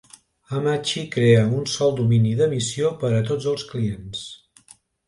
Hamachi crea un sol domini d'emissió per a tots els clients.